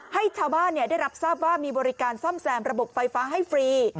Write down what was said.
ให้ชาวบ้านได้รับทราบว่ามีบริการซ่อมแซมระบบไฟฟ้าให้ฟรี